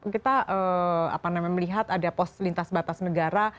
kita apa namanya melihat ada pos lintas batas negara